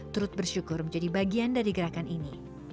turut bersyukur menjadi bagian dari gerakan ini